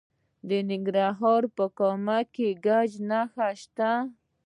د ننګرهار په کامه کې د ګچ نښې شته.